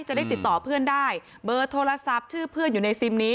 จะได้ติดต่อเพื่อนได้เบอร์โทรศัพท์ชื่อเพื่อนอยู่ในซิมนี้